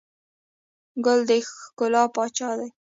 ګل د ښکلا پاچا دی.